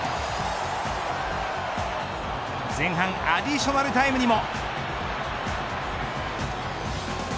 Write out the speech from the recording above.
前半アディショナルタイムにも。